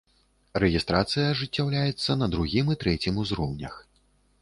Рэгістрацыя ажыццяўляецца на другім і трэцім узроўнях.